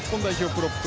プロップ